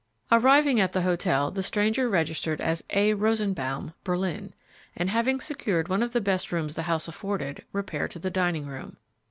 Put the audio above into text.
Arriving at the hotel, the stranger registered as "A. Rosenbaum, Berlin," and, having secured one of the best rooms the house afforded, repaired to the dining room.